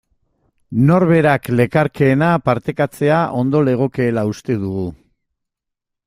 Norberak lekarkeena partekatzea ondo legokeela uste dugu.